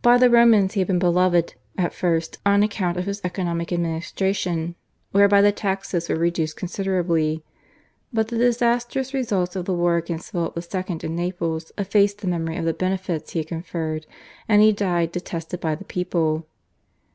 By the Romans he had been beloved at first on account of his economic administration whereby the taxes were reduced considerably, but the disastrous results of the war against Philip II. in Naples effaced the memory of the benefits he had conferred, and he died detested by the people.